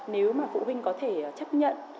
nếu mà phụ huynh có thể chấp nhận